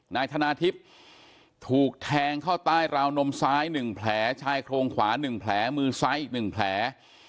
นายธนาทิพย์ถูกแทงเข้าใต้ราวนมซ้ายหนึ่งแผลชายโครงขวาหนึ่งแผลมือซ้ายหนึ่งแผล